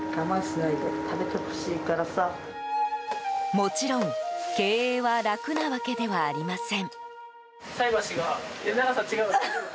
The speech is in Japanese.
もちろん経営は楽なわけではありません。